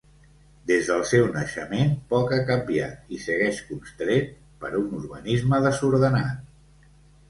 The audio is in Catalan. Des del seu naixement, poc ha canviat, i segueix constret per un urbanisme desordenat.